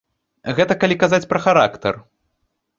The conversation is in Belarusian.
Гэта калі казаць пра характар.